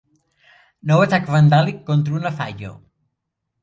Nou atac vandàlic contra una falla.